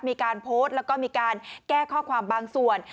มีการโพสต์แล้วก็มีการแก้ข้อความบางส่วน